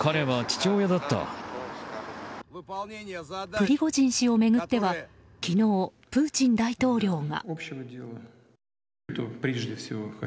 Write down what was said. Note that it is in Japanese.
プリゴジン氏を巡っては昨日、プーチン大統領が。